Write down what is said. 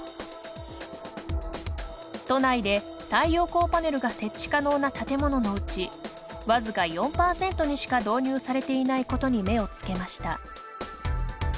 都内で太陽光パネルが設置可能な建物のうちわずか４％にしか導入されていないことに目をつけました。